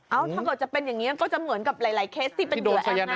ถ้าเกิดจะเป็นอย่างนี้ก็จะเหมือนกับหลายเคสที่เป็นเหยื่อแอมนะ